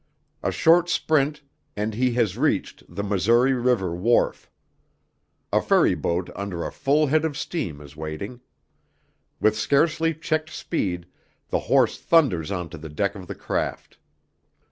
A short sprint and he has reached the Missouri River wharf. A ferry boat under a full head of steam is waiting. With scarcely checked speed, the horse thunders onto the deck of the craft.